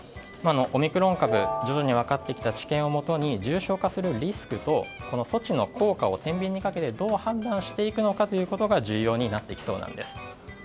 オミクロン株、徐々に分かってきた知見をもとに重症化するリスクと措置の効果を天秤にかけてどう判断していくのかが重要になっていきそうなんです。